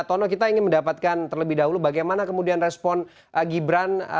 tono kita ingin mendapatkan terlebih dahulu bagaimana kemudian respon gibran